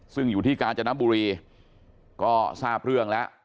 ซึ่งอยู่ที่กาญจนบุรีก็ทราบเรื่องแล้ว